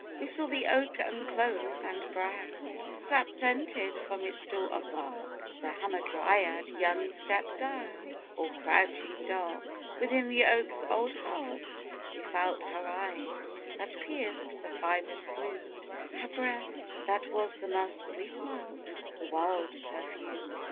We saw the oak unclose and, brown, Sap scented, from its door of bark The Hamadryad young step down: Or, crouching dark Within the oak's old heart, we felt Her eyes, that pierced the fibrous gloom; Her breath, that was the musk we smelt, The wild perfume.